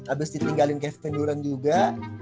abis ditinggalin kevin durant juga